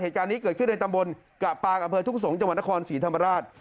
เหตุการณ์นี้เกิดขึ้นในตำบลกะปางอำเภอทุ่งสงศ์จังหวัดนครศรีธรรมราช